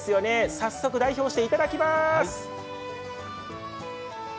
早速代表していただきまーす。